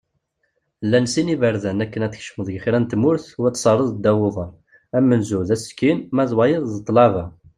Llan sin iberdan akken ad tkecmeḍ kra n tmurt u ad tt-terreḍ ddaw uḍar : amenzu, d asekkin ; ma d wayeḍ, d ṭṭlaba.